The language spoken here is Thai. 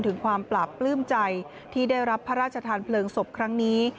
ถึงความปราบปลื้มใจที่ได้รับพระราชทานเพลิงศพครั้งนี้